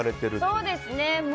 そうですね。